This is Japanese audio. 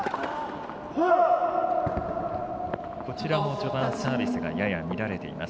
序盤、サービスがやや乱れています。